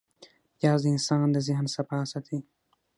پیاز د انسان د ذهن صفا ساتي